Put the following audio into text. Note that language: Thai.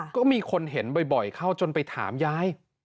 ก็มีคนเห็นบ่อยเข้าจนไปถามยาย